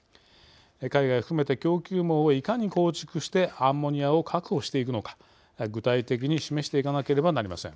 海外含めて供給網をいかに構築してアンモニアを確保していくのか具体的に示していかなければなりません。